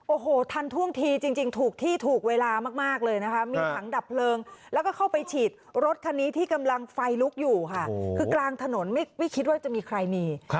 โอ้โหทันท่วงทีจริงถูกที่ถูกเวลามากเลยนะคะมีถังดับเพลิงแล้วก็เข้าไปฉีดรถคันนี้ที่กำลังไฟลุกอยู่ค่ะคือกลางถนนไม่คิดว่าจะมีใครมี